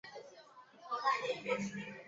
德寿县是越南河静省下辖的一个县。